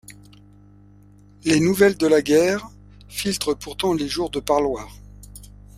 Les nouvelles de la guerre filtrent pourtant les jours de parloir.